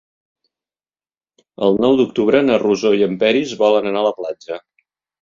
El nou d'octubre na Rosó i en Peris volen anar a la platja.